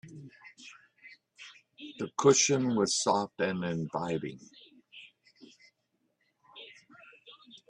The cushion was soft and inviting.